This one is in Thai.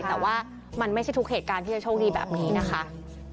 แต่ว่ามันไม่ใช่ทุกเหตุการณ์ที่จะโชคดีแบบนี้นะคะ